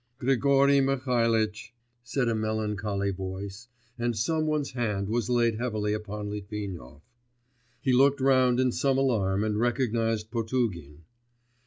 'Grigory Mihalitch,' said a melancholy voice, and some one's hand was laid heavily upon Litvinov. He looked round in some alarm and recognised Potugin.